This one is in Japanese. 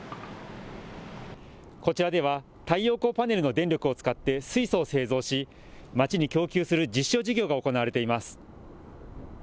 こちらでは太陽光パネルの電力を使って水素を製造し街に供給する実証事業が行われています。